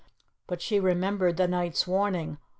But she remembered the knight's warning.